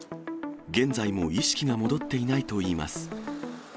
現在も意識が戻っていないといいます。